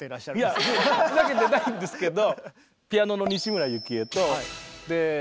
いやふざけてないんですけど。